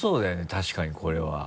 確かにこれは。